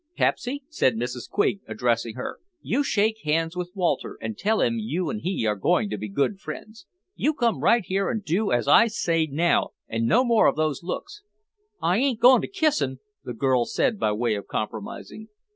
"Pepsy," said Mrs. Quig, addressing her, "you shake hands with Walter and tell him you and he are going to be good friends. You come right here and do as I say now and no more of those looks." "I ain't going to kiss him," the girl said by way of compromising.